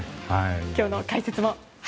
今日の解説も。